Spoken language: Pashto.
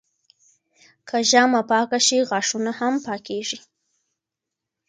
که ژامه پاکه شي، غاښونه هم پاکېږي.